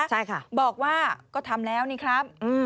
ใช่ค่ะบอกว่าก็ทำแล้วนี่ครับ